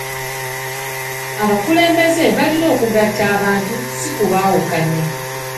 Abakulembeze balina okugatta abantu si kubaawukanya.